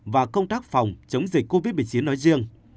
và công tác phòng chống dịch covid một mươi chín nói riêng